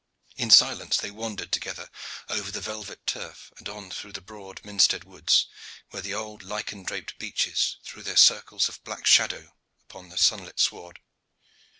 In silence they wandered together over the velvet turf and on through the broad Minstead woods, where the old lichen draped beeches threw their circles of black shadow upon the sunlit sward.